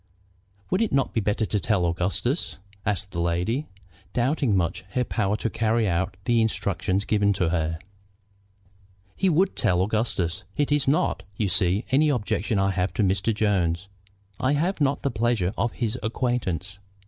"Would it not be better to tell Augustus?" asked the lady, doubting much her power to carry out the instructions given to her. "He would tell Augustus. It is not, you see, any objection I have to Mr. Jones. I have not the pleasure of his acquaintance.